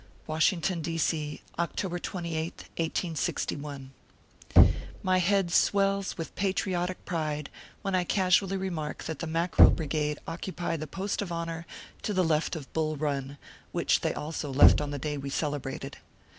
WASHINGTON, D. C., October 2Sth, 1861. MY head swells with patriotic pride when I casually remark that the Mackerel Brigade occupy the post of honor to the left of Bull Bun, which they also left on the day we celebrated.